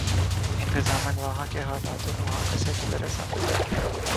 ان کا ضامن وہاں کے حالات اور وہاں کا سیکولر ازم تھا۔